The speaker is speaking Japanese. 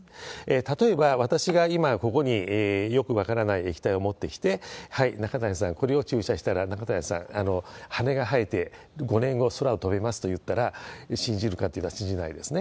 例えば、私が今、ここによく分からない液体を持ってきて、はい、中谷さん、これを注射したら、中谷さん、羽が生えて、５年後、空を飛べますと言ったら信じるかというと、信じないですね？